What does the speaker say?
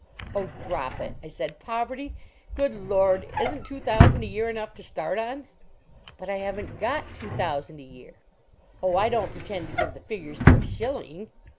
"Oh, drop it," I said. "Poverty! Good Lord! Isn't two thousand a year enough to start on?" "But I haven't got two thousand a year." "Oh, I don't pretend to give the figures to a shilling."